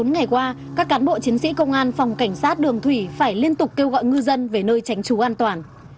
bốn ngày qua các cán bộ chiến sĩ công an phòng cảnh sát đường thủy phải liên tục kêu gọi ngư dân về nơi tránh trú an toàn